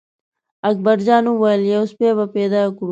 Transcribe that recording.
اکبر جان وویل: یو سپی به پیدا کړو.